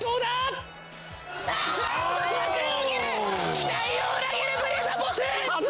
期待を裏切るブリザポス！